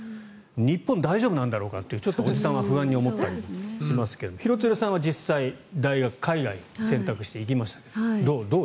日本大丈夫なんだろうかというちょっとおじさんは不安に思ったりしますが廣津留さんは実際、大学は海外を選択して行きましたけど